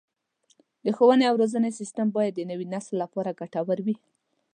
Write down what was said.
د ښوونې او روزنې سیستم باید د نوي نسل لپاره ګټور وي.